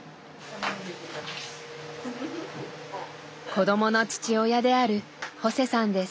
子どもの父親であるホセさんです。